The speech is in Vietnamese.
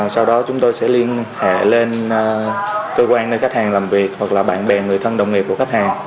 sau đó chúng tôi sẽ liên hệ lên cơ quan nơi khách hàng làm việc hoặc là bạn bè người thân đồng nghiệp của khách hàng